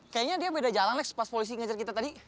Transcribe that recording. kayaknya dia beda jalan next pas polisi ngejar kita tadi